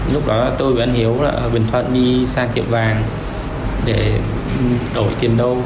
lúc đó tôi với anh hiếu ở bình thuận đi sang tiệm vàng để đổi tiền đô